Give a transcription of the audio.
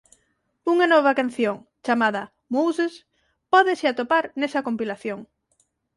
Unha nova canción chamada "Moses" pódese atopar nesa compilación.